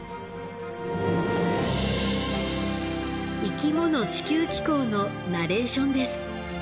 「生きもの地球紀行」のナレーションです。